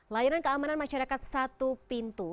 layanan keamanan masyarakat satu pintu